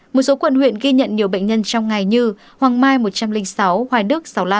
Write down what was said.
một số quận huyện ghi nhận nhiều bệnh nhân trong ngày như hoàng mai một trăm linh sáu hoài đức sáu mươi năm